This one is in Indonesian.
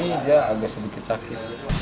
kalau di sini dia agak sedikit sakit